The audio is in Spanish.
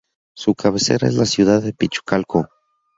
Su cabecera es la ciudad de Pichucalco.